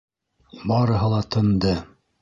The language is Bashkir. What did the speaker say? Барыһы ла тынды.